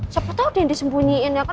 siapa tau deh yang disembunyiin ya kan